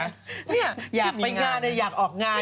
อยากไปงานอยากออกงาน